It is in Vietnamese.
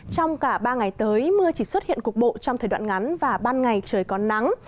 trong cả ba ngày tới mưa chỉ xuất hiện cục bộ trong thời đoạn ngắn và ban ngày trời có nắng